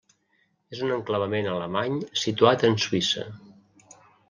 És un enclavament alemany situat en Suïssa.